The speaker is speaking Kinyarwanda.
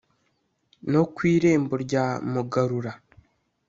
no ku irembo rya mugarura.